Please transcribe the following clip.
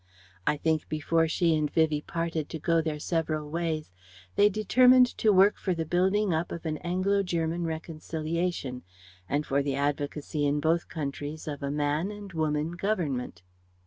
I think before she and Vivie parted to go their several ways, they determined to work for the building up of an Anglo German reconciliation, and for the advocacy in both countries of a Man and Woman Government.